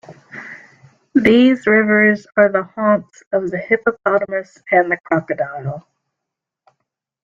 These rivers are the haunts of the hippopotamus and the crocodile.